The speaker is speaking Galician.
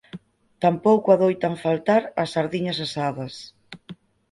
Tampouco adoitan faltar as sardiñas asadas.